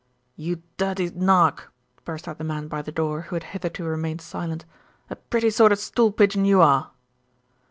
"You dirty nark," burst out the man by the door, who had hitherto remained silent. "A pretty sort of stool pigeon you are."